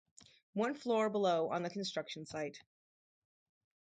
One floor below on the construction site.